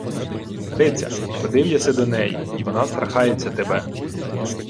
— Стариця... Ходив єси до неї, й вона страхається тебе.